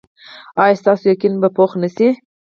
ایا ستاسو یقین به پوخ نه شي؟